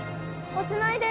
落ちないで！